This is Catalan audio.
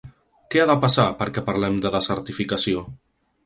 Què ha de passar perquè parlem de desertificació?